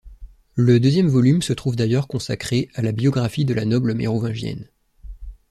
Le deuxième volume se trouve d'ailleurs consacré à la biographie de la noble mérovingienne.